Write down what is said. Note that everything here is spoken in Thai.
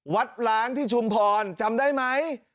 ล้างที่ชุมพรจำได้ไหม